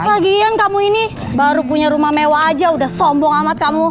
bahagian kamu ini baru punya rumah mewah aja udah sombong amat kamu